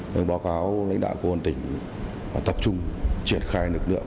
báo cáo lãnh đạo của quân tỉnh tập trung triển khai lực lượng